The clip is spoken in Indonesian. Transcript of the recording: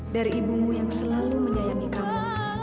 dari ibumu yang selalu menyayangi kamu